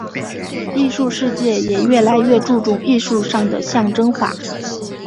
艺术世界也越来越注重艺术上的象征法。